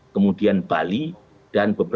kemudian bali dan